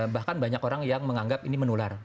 bahkan banyak orang yang menganggap ini menular